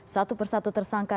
satu persatu tersangka